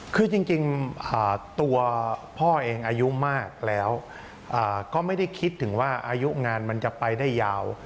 คือจริงตัวพ่อเองอายุมากแล้วก็ไม่ได้คิดถึงว่าอายุงานมันจะไปได้ยาว